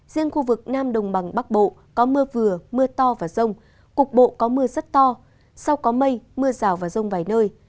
riêng khu vực nam đồng bằng bắc bộ có mưa vừa mưa to và rông cục bộ có mưa rất to sau có mây mưa rào và rông vài nơi